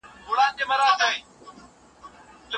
اقتصاد د سوداګریزو قراردادونو اغیز تشریح کوي.